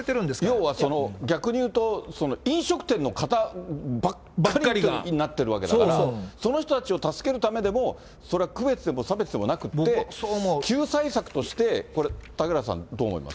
要はその逆にいうと、飲食店の方ばっかりが、なってるわけだから、その人たちを助けるためでも、区別でも差別でもなくって、救済策として、これ、嵩原さん、どう思います？